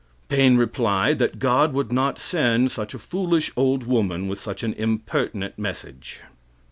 Paine replied that God would not send such a foolish old woman with such an impertinent message.